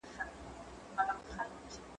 زه ځواب نه ليکم؟؟